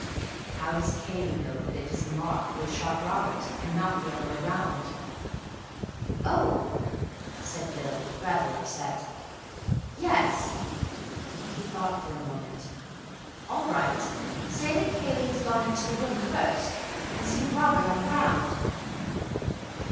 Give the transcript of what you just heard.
"How does Cayley know that it is Mark who has shot Robert, and not the other way round?" "Oh!" said Bill, rather upset. "Yes." He thought for a moment, "All right. Say that Cayley has gone into the room first, and seen Robert on the ground."